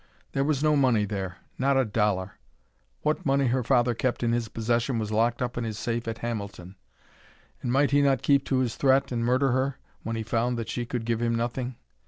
There was no money there; not a dollar! What money her father kept in his possession was locked up in his safe at Hamilton. And might he not keep to his threat, and murder her, when he found that she could give him nothing?